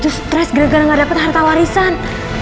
dia itu stress gara gara gak dapet harta warisan